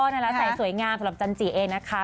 อ๋อน่ารักใส่สวยงามสำหรับจันทร์จีเองนะคะ